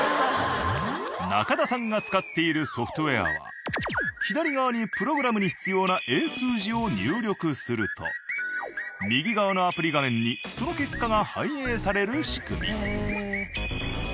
中田さんが使っているソフトウェアは左側にプログラムに必要な英数字を入力すると右側のアプリ画面にその結果が反映される仕組み。